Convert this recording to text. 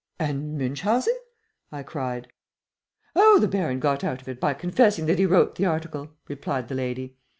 "And Munchausen?" I cried. "Oh, the Baron got out of it by confessing that he wrote the article," replied the lady.